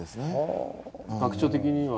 学長的には？